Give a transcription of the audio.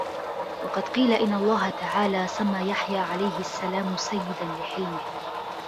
وَقَدْ قِيلَ إنَّ اللَّهَ تَعَالَى سَمَّى يَحْيَى عَلَيْهِ السَّلَامُ سَيِّدًا لِحِلْمِهِ